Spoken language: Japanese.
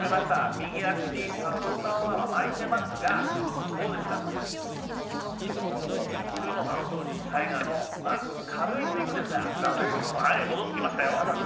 右足にサポーターは巻いてますが、どうですか、もう普通の、あの当時のタイガーの軽いスイングですが戻ってきましたよ。